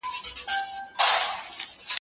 ویل بار د ژوندانه مي کړه ملا ماته